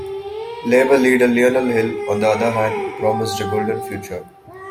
Labor leader Lionel Hill, on the other hand, promised a golden future.